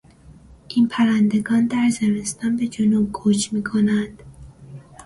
این پرندگان در زمستان به جنوب کوچ میکنند.